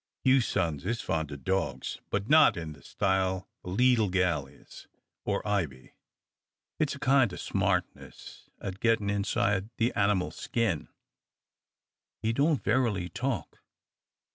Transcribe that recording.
You, sons, is fond o' dogs, but not in the style the leetle gal is, or I be. It's a kind o' smartness at gettin' inside the animal's skin. He don't verily talk.